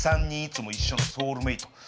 ３人いつも一緒のソウルメート。